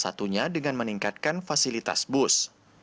satunya dengan meningkatkan fasilitas bus